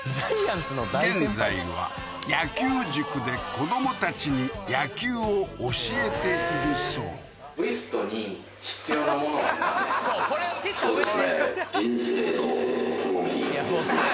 現在は野球塾で子どもたちに野球を教えているそうそうですねいや